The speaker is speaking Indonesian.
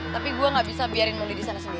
tapi gue gak bisa biarin moli di sana sendiri